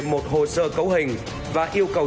một hồ sơ cấu hình và yêu cầu